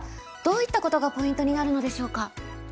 どういったことがポイントになるのでしょうか？